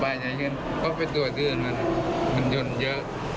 สบายใจเย็นข้อเพจรวดดื่นมันมันยุ่นเยอะ